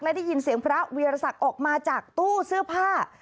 และได้ยินเสียงพระวีรศักดิ์ออกมาจากตู้เสื้อผ้า